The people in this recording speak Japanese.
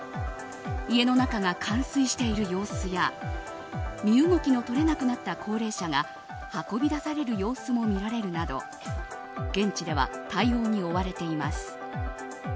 家の中が冠水している様子や身動きの取れなくなった高齢者が運び出される様子も見られるなど現地では対応に追われています。